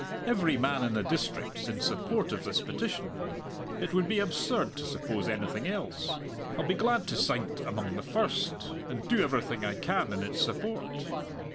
Every man in the district's in support of this petition. It would be absurd to suppose anything else. I'll be glad to sign't among the first, and do everything I can in its support."